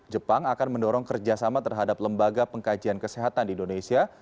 jepang akan mendorong kerjasama terhadap lembaga pengkajian kesehatan di indonesia